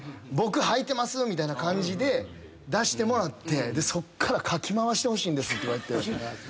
「僕はいてます」みたいな感じで出してもらってそっからかき回してほしいんですって。